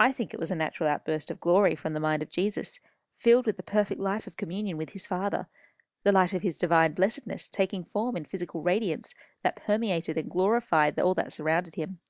I think it was a natural outburst of glory from the mind of Jesus, filled with the perfect life of communion with his Father the light of his divine blessedness taking form in physical radiance that permeated and glorified all that surrounded him.